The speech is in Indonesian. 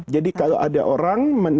jadi kalau ada orang yang berpikir